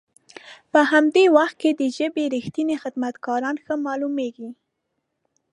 په همدي وخت کې د ژبې رښتني خدمت کاران ښه مالومیږي.